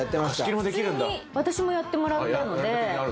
普通に私もやってもらったので。